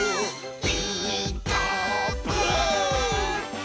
「ピーカーブ！」